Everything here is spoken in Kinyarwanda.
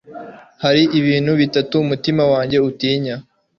hari ibintu bitatu umutima wanjye utinya